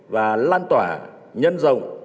và lan tỏa nhân rộng